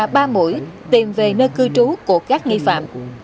công an đã tìm về nơi cư trú của các nghi phạm